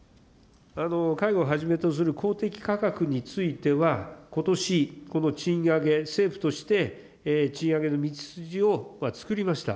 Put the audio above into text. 介護をはじめとする公的価格については、ことし、この賃上げ、政府として賃上げの道筋をつくりました。